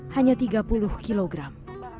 hanya tiga puluh kilogram